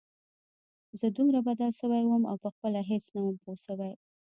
زه دومره بدل سوى وم او پخپله هېڅ نه وم پوه سوى.